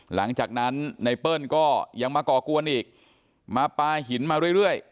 หลังจากนั้นไนเปิ้ลก็ยังมาก่อกวนอีกมาปลาหินมาเรื่อย